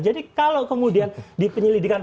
jadi kalau kemudian di penyelidikan